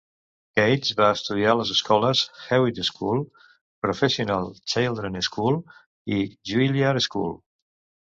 Cates va estudiar a les escoles Hewitt School, Professional Children's School i Juilliard School.